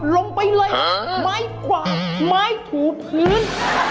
ลงไปเลยไม้ขวางไม้ถูพื้น